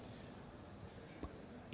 pandemi fund ini bisa berjalan dengan baik